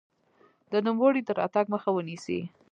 د نوموړي د راتګ مخه ونیسي.